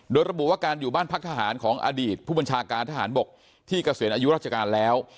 โดยระบุว่าการอยู่บ้านพักทหารของอดีตผู้บัญชาการทหารบกที่เกษียณอายุราชการแล้ว